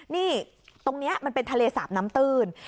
นี่ตรงนี้มันเป็นทะเลสาบน้ำตื้น